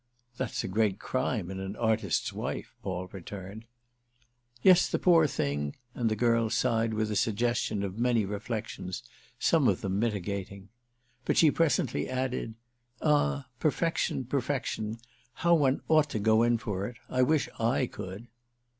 "That's a great crime in an artist's wife," Paul returned. "Yes, poor thing!" and the girl sighed with a suggestion of many reflexions, some of them mitigating. But she presently added: "Ah perfection, perfection—how one ought to go in for it! I wish I could."